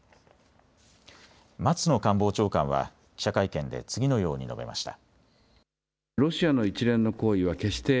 松野官房長官は記者会見で次のように述べました。